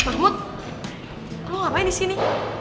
mahmud lo ngapain disini